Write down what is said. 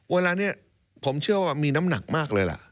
เวลานี้ผมเชื่อว่ามีน้ำหนักมากเลยล่ะ